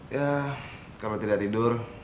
ya kalau tidak tidur